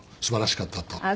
「すばらしかった」と。